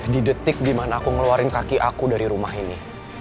di detik gimana aku ngeluarin kaki aku dari rumah ini